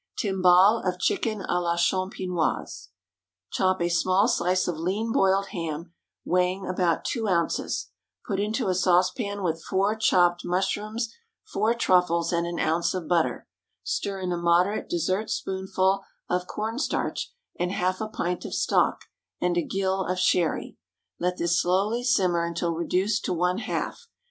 Timbale of Chicken à la Champenois. Chop a small slice of lean boiled ham, weighing about two ounces, put into a saucepan with four chopped mushrooms, four truffles, and an ounce of butter; stir in a moderate dessertspoonful of corn starch and half a pint of stock and a gill of sherry; let this slowly simmer until reduced to one half.